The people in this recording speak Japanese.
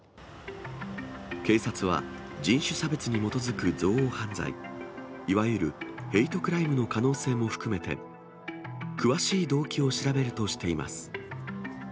警察は、人種差別に基づく憎悪犯罪、いわゆるヘイトクライムの可能性も含めて、詳しい動機を調べるとしています。